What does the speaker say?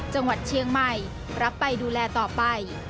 จังหวัดเชียงใหม่รับไปดูแลต่อไป